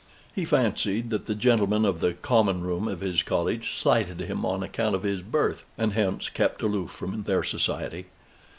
He fancied that the gentlemen of the common room of his college slighted him on account of his birth, and hence kept aloof from their society.